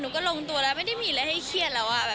ก็ลงตัวแล้วไม่ได้มีอะไรให้เครียดแล้ว